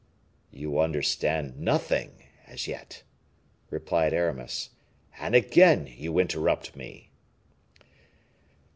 "You understand nothing as yet," replied Aramis, "and again you interrupt me.